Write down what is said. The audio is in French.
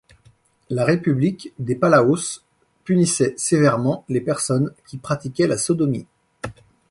La République des Palaos punissait sévèrement les personnes qui pratiquaient la sodomie.